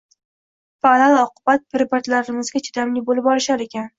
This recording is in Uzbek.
va alal-oqibat preparatlarimizga chidamli bo‘lib olishar ekan.